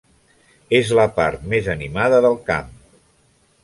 És la part més animada del camp.